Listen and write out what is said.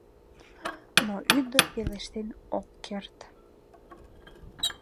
Но ӱдыр пелештен ок керт.